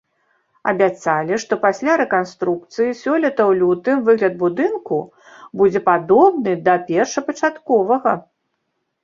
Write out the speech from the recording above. Абяцалі, што пасля рэканструкцыі сёлета ў лютым выгляд будынку будзе падобны да першапачатковага.